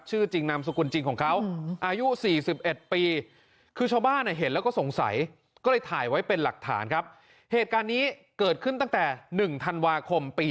ชื่อจริงนามสกุลจริงของเขาอายุสี่สิบเอ็ดปี